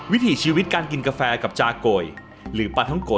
วิธีชีวิตการกินกาแฟกับจากหรือปัฒโนโก๋